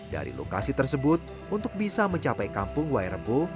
dari lokasi tersebut untuk bisa mencapai kampung wairebo